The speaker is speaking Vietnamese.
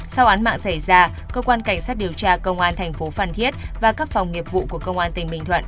sau án mạng xảy ra cơ quan cảnh sát điều tra công an thành phố phan thiết và các phòng nghiệp vụ của công an tỉnh bình thuận